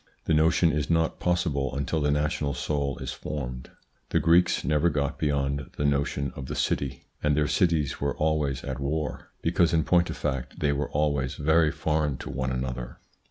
The notion is not possible until the national soul is formed. The Greeks never got beyond the notion of the city, and their cities were always at war, because in point of fact they were always very foreign to one another.